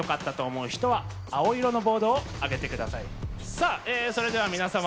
さあそれでは皆様。